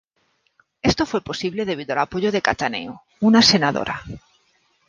Esto fue posible debido al apoyo de Cattaneo, una senadora.